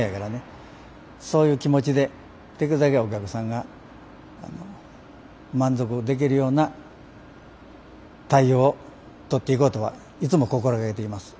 そういう気持ちでできるだけお客さんが満足できるような対応をとっていこうとはいつも心掛けています。